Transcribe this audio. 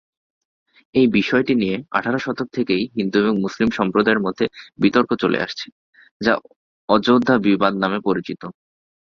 এই বিষয়টি নিয়ে আঠারো শতক থেকেই হিন্দু এবং মুসলিম সম্প্রদায়ের মধ্যে বিতর্ক চলে আসছে, যা অযোধ্যা বিবাদ নামে পরিচিত।